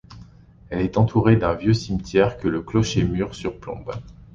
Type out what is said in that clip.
Elle est entourée d'un vieux cimetière que le clocher-mur surplombe.